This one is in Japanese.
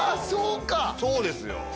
そうかそうですよ